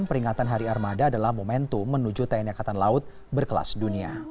peringatan hari armada adalah momentum menuju tni angkatan laut berkelas dunia